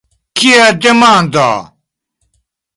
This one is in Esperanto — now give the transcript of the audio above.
Kia demando!